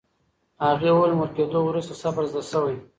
هغې وویل، مور کېدو وروسته صبر زده شوی.